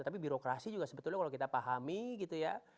tapi birokrasi juga sebetulnya kalau kita pahami gitu ya